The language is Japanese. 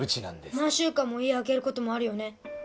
何週間も家空けることもあるよね